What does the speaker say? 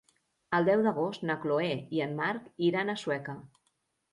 El deu d'agost na Chloé i en Marc iran a Sueca.